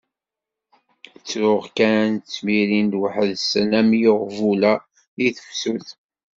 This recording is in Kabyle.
Ttruɣ kan, ttmirin weḥd-sen am yiɣbula di tefsut.